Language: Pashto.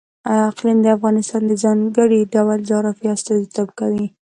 اقلیم د افغانستان د ځانګړي ډول جغرافیه استازیتوب کوي.